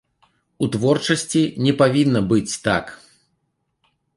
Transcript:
У творчасці не павінна быць так.